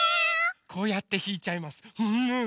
こうやってひいちゃいます。